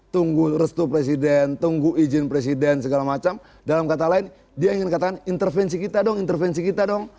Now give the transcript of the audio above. tunggu restu presiden tunggu izin presiden segala macam dalam kata lain dia ingin katakan intervensi kita dong intervensi kita dong